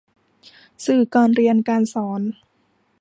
สื่อการเรียนการสอน